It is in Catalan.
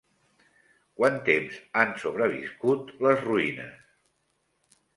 Quant temps han sobreviscut les ruïnes?